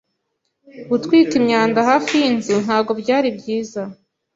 Gutwika imyanda hafi yinzu ntabwo byari byiza.